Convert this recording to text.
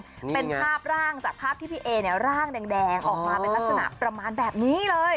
เป็นภาพร่างจากภาพที่พี่เอเนี่ยร่างแดงแดงออกมาเป็นลักษณะประมาณแบบนี้เลย